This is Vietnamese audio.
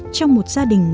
trong một gia đình